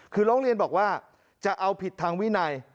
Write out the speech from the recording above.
คือร้องเรียนบอกว่าจะเอาผิดทางวินัย